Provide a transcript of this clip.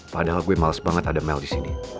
padahal gue males banget ada mel di sini